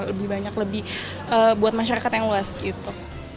lebih banyak lebih buat masyarakat yang luas gitu